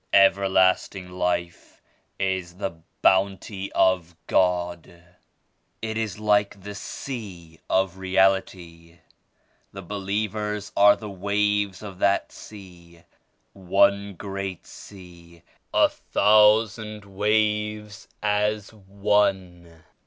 "Everlasting Life is the Bounty of God. It is like the Sea of Reality. The believers are the waves of that Sea ; one great Sea and a thousand waves as one.